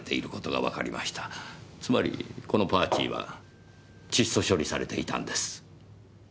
つまりこの「パーチー」は窒素処理されていたんです。